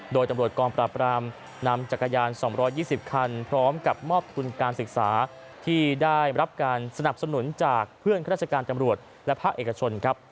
โดยตำรวจกองปราบรามนำจักรยาน๒๒๐คันพร้อมกับมอบทุนการศึกษาที่ได้รับการสนับสนุนจากเพื่อนข้าราชการตำรวจและภาคเอกชนครับ